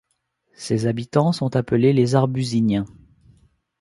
Ses habitants sont appelés les Arbusigniens.